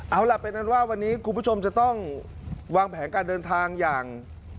เอาล่ะเป็นอันว่าวันนี้คุณผู้ชมจะต้องวางแผนการเดินทางอย่าง